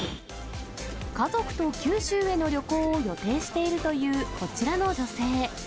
家族と九州への旅行を予定しているというこちらの女性。